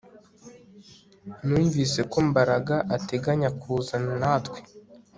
Numvise ko Mbaraga ateganya kuzana natwe